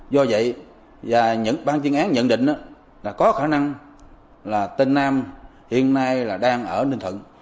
do vậy bàn chuyên án nhận định có khả năng tên nam hiện nay đang ở ninh thuận